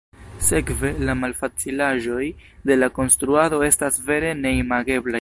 Sekve, la malfacilaĵoj de la konstruado estas vere neimageblaj.